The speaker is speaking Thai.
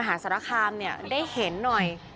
หาสารคามเนี่ยได้เห็นหน่อย